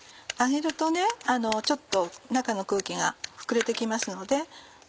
揚げるとちょっと中の空気が膨れて来ますので。